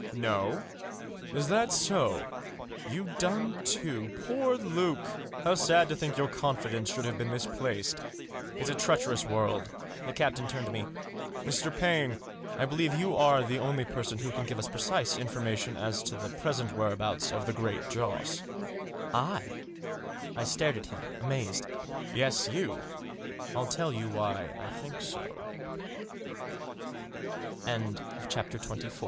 "No? Is that so? you done too? Poor Luke! how sad to think your confidence should have been misplaced. It's a treacherous world." The captain turned to me. " Mr. Paine, I believe you are the only person who can give us precise information as to the present whereabouts of the Great Joss." "I?" I stared at him amazed. " Yes, you. I'll tell you why I think so." Digitized by 230 I THE JOSS.